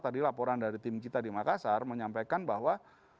tadi laporan dari tim kita di makassar menyampaikan bahwa